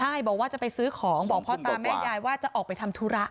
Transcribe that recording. ใช่บอกว่าจะไปซื้อของบอกพ่อตาแม่ยายว่าจะออกไปทำธุระ